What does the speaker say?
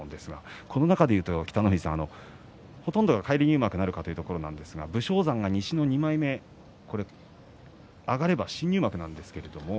この中で言うと、北の富士さんほとんどが返り入幕なるかというところですが武将山、西の２枚目上がれば新入幕です。